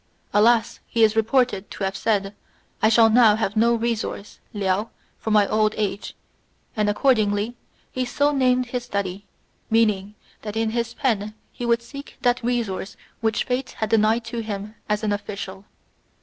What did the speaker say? "Alas!" he is reported to have said, "I shall now have no resource (Liao) for my old age;" and accordingly he so named his study, meaning that in his pen he would seek that resource which fate had denied to him as an official.